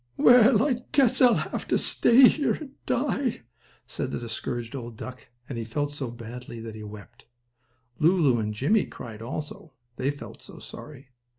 "Well, I guess I will have to stay here and die," said the discouraged old duck, and he felt so badly that he wept. Lulu and Jimmie cried also, they felt so sorry.